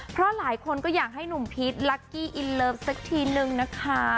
เพราะหลายคนก็อยากให้หนุ่มพีชลักกี้อินเลิฟสักทีนึงนะคะ